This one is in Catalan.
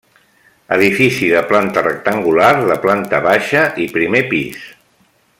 Edifici de planta rectangular de planta baixa i primer pis.